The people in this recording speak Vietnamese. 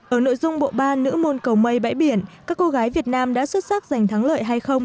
ở nội dung bộ ba nữ môn cầu mây bãi biển các cô gái việt nam đã xuất sắc giành thắng lợi hay không